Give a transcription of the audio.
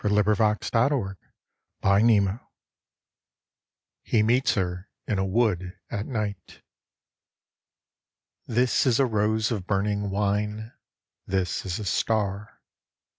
IN THE NET OF THE STARS He meets Her in a Wood at Night THIS is a rose of burning wine, This is a star.